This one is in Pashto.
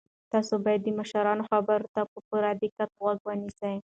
تاسو باید د مشرانو خبرو ته په پوره دقت غوږ ونیسئ.